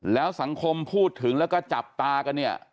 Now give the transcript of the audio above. แล้วสังคมพูดถึงแล้วก็จับตากันเนี่ย